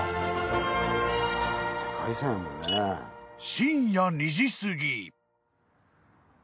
［深夜２時すぎ］